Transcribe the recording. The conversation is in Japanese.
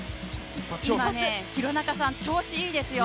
今ね、廣中さん、調子いいですよ。